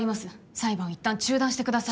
裁判を一旦中断してください